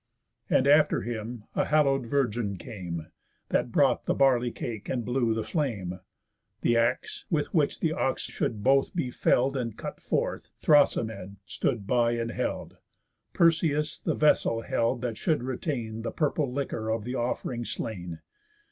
And after him a hallow'd virgin came, That brought the barley cake, and blew the flame. The axe, with which the ox should both be fell'd And cut forth, Thrasymed stood by and held. Perseus the vessel held that should retain The purple liquor of the off'ring slain.